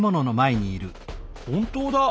本当だ。